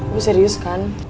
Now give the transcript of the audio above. kamu serius kan